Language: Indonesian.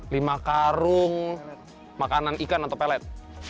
lima karung makanan ikan atau pelet